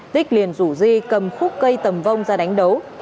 tích liền rủ di cầm khúc cây tầm vông ra đánh đấu